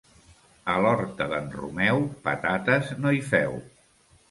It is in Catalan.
A l'horta d'en Romeu patates no hi feu.